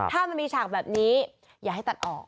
ถ้ามันมีฉากแบบนี้อย่าให้ตัดออก